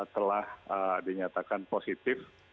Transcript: telah dinyatakan positif